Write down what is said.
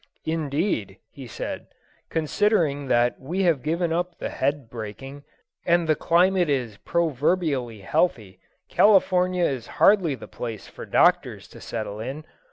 "Indeed," he said, "considering that we have given up head breaking, and the climate is proverbially healthy, California is hardly the place for doctors to settle in.